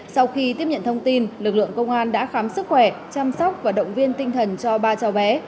sau khi tiếp nhận thông tin lực lượng công an đã khám sức khỏe chăm sóc và động viên tinh thần cho ba cháu bé